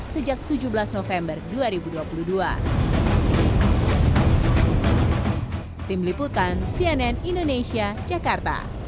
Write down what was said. sejak tujuh belas november dua ribu dua puluh dua